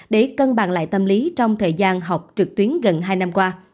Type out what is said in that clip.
để cân bằng lại tâm lý trong thời gian học trực tuyến gần hai năm qua